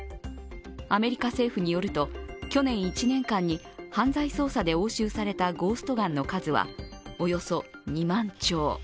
アメリカ政府によると去年１年間に犯罪捜査で押収されたゴーストガンの数はおよそ２万丁。